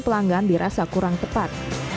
pelanggan dirasa kurang tepat